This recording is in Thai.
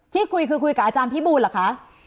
ที่คุยคือคุยกับอาจารย์พี่บูลเหรอคะ